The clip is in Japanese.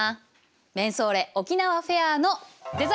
「めんそれ沖縄フェア」のデザートです！